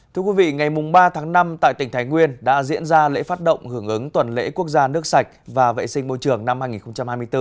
thưa quý vị ngày ba tháng năm tại tỉnh thái nguyên đã diễn ra lễ phát động hưởng ứng tuần lễ quốc gia nước sạch và vệ sinh môi trường năm hai nghìn hai mươi bốn